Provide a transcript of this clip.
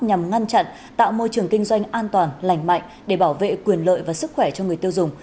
nhằm ngăn chặn tạo môi trường kinh doanh an toàn lành mạnh để bảo vệ quyền lợi và sức khỏe cho người tiêu dùng